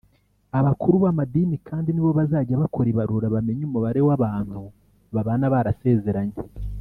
Abakuru b’amadini kandi nibo bazajya bakora ibarura bamenye umubare w’abantu babana barasezeranye